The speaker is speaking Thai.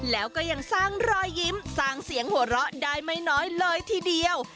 แล้วก็ยังสร้างรอยยิ้มสร้างเสียงหัวเราะได้ไม่น้อยเลยทีเดียว